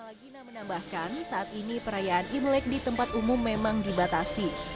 ala gina menambahkan saat ini perayaan imlek di tempat umum memang dibatasi